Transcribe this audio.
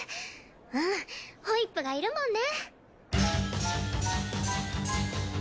うんホイップがいるもんね。